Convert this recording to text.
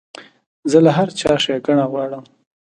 زه له هر چا ښېګڼه غواړم.